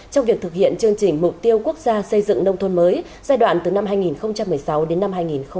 trong việc thực hiện chương trình mục tiêu quốc gia xây dựng nông thôn mới giai đoạn từ năm hai nghìn một mươi sáu đến năm hai nghìn hai mươi